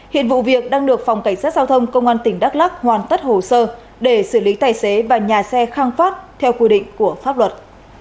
hiện vụ việc đang được phòng cảnh sát giao thông công an tỉnh đắk lắc hoàn tất hồ sơ để xử lý tài xế và nhà xe khang phát theo quy định của pháp luật